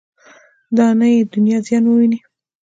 دا نه یې دنیا زیان وویني.